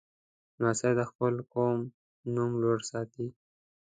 لمسی د خپل قوم نوم لوړ ساتي.